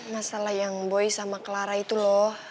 masalah yang boy sama clara itu loh